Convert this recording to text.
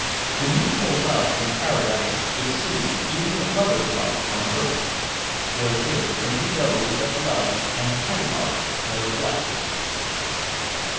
The mutual love in paradise exceeds even the lover's love on earth, for it is only those that loved and can love that are blessed.